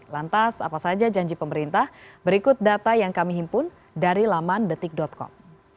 lantas apa saja janji pemerintah berikut data yang kami himpun dari laman detik com